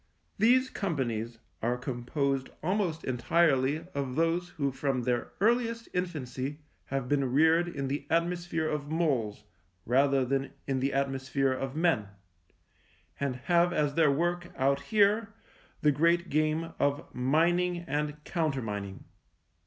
These companies are composed almost entirely of those who from their earliest infancy have been reared in the atmosphere of moles rather than in the atmosphere of men, and have as their work out here the great game of mining and countermining.